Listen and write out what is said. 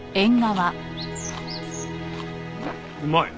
うまい！